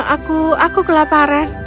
aku aku kelaparan